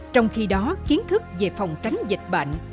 trong khi đó kiến thức về phòng tránh dịch bệnh